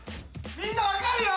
みんな分かるよ！